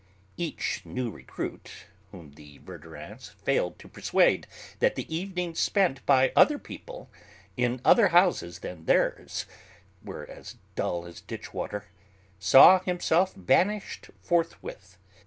Each 'new recruit' whom the Verdurins failed to persuade that the evenings spent by other people, in other houses than theirs, were as dull as ditch water, saw himself banished forthwith.